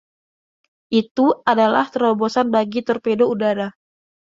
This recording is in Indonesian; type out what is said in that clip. Itu adalah terobosan bagi torpedo udara.